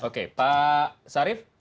oke pak sarif